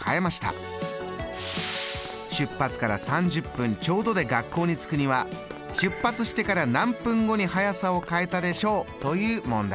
出発から３０分ちょうどで学校に着くには出発してから何分後に速さを変えたでしょう」という問題でした。